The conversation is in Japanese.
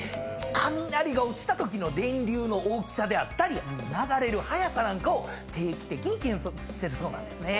雷が落ちたときの電流の大きさであったり流れる速さなんかを定期的に計測してるそうなんですね。